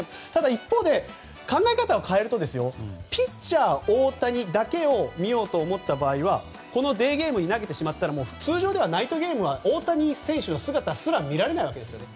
一方、考え方を変えるとピッチャー大谷だけを見ようと思った場合はデーゲームに投げてしまったら通常ではナイトゲームは大谷選手の姿すら見られないわけですね。